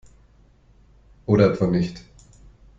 Oder etwa nicht?